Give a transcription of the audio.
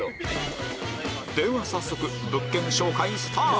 では早速物件紹介スタート！